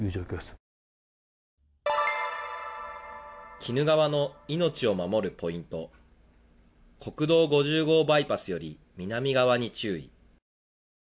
鬼怒川の命を守るポイント、国道５０号バイパスより南側に注意。